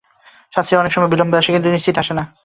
শাস্তি অনেক সময় বিলম্বে আসে কিন্তু নিশ্চিত আসে।